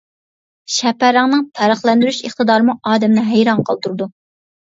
شەپەرەڭنىڭ پەرقلەندۈرۈش ئىقتىدارىمۇ ئادەمنى ھەيران قالدۇرىدۇ.